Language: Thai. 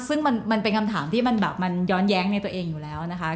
ซึ่งมันเป็นคำถามที่มันแบบมันย้อนแย้งในตัวเองอยู่แล้วนะคะ